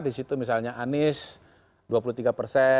disitu misalnya anies